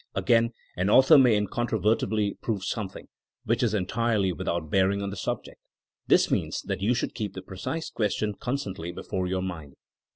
Again, an author may in controvertibly prove something — ^which is en tirely without bearing on the subject. This means that you should keep the precise ques tion constantly before your mind.